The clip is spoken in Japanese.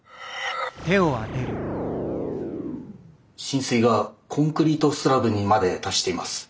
浸水がコンクリートスラブにまで達しています。